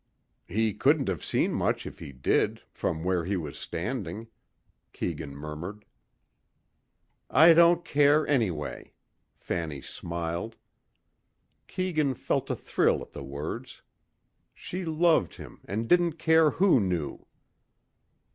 "He couldn't have seen much if he did, from where he was standing," Keegan murmured. "I don't care anyway," Fanny smiled. Keegan felt a thrill at the words. She loved him and didn't care who knew!